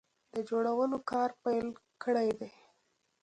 د جوړولو کار پیل کړی دی